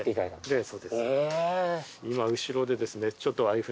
ええ。